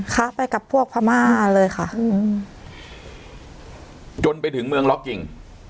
คะไปกับพวกพม่าเลยค่ะอืมจนไปถึงเมืองล็อกกิ่ง